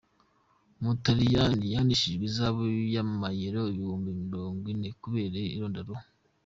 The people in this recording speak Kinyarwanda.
Umutariyani yahanishijwe ihazabu y’Amayero ibihumbi mirongo ine kubera irondaruhu